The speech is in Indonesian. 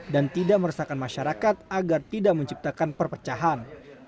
dan tidak meresahkan masyarakat agar tidak menciptakan perpecahan